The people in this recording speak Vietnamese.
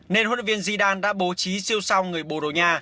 nên huấn luyện viên zidane đã bố trí siêu sao người borussia